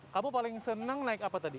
kamu paling seneng naik apa tadi